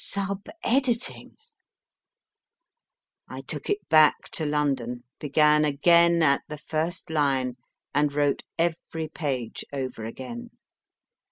Sub editing ! I took it back to London, began again at the first line, and wrote every page over again.